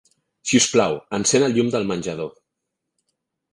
Si us plau, encén el llum del menjador.